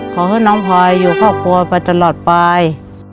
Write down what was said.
ขอให้น้องพลอยอยู่ครอบครัวไปตลอดไป